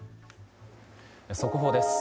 速報です。